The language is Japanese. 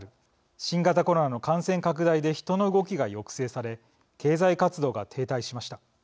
新型コロナの感染拡大で人の動きが抑制され経済活動が停滞しました。